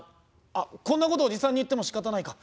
あっこんなことおじさんに言ってもしかたないか。